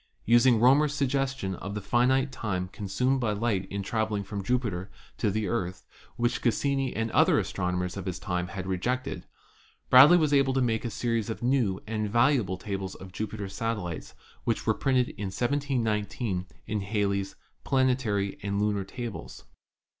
Using Roemer's suggestion of the finite time consumed by light in traveling from Jupiter to the Earth, which Cas sini and other astronomers of his time had rejected, Brad ley was able to make a series of new and valuable tables of Jupiter's satellites, which were printed in 1719 in Hal JUPITER 199 ley's "Planetary and Lunar Tables."